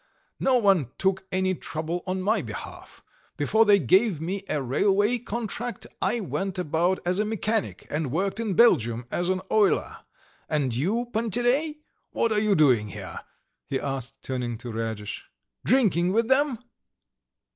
No one took any trouble on my behalf. Before they gave me a railway contract I went about as a mechanic and worked in Belgium as an oiler. And you, Panteley, what are you doing here?" he asked, turning to Radish. "Drinking with them?"